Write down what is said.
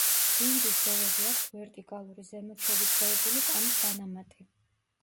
დინგის ბოლოზე აქვთ ვერტიკალური, ზემოთ შევიწროებული კანის დანამატი.